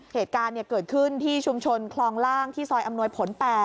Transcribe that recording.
เหตุการณ์เกิดขึ้นที่ชุมชนคลองล่างที่ซอยอำนวยผล๘